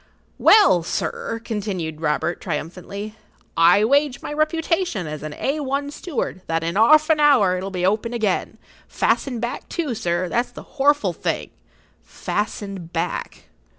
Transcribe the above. "Well, sir," continued Robert, triumphantly, "I wager my reputation as a A1 steward, that in 'arf[Pg 39] an hour it will be open again; fastened back, too, sir, that's the horful thing—fastened back!"